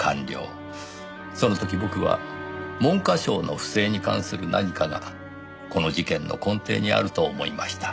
その時僕は文科省の不正に関する何かがこの事件の根底にあると思いました。